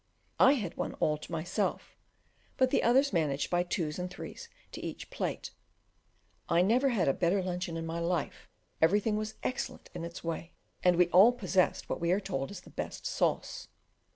I had one all to myself, but the others managed by twos and threes to each plate. I never had a better luncheon in my life; everything was excellent in its way, and we all possessed what we are told is the best sauce.